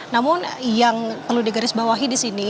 namun yang perlu digarisbawahi disini